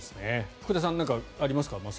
福田さん何か松木さんにありますか？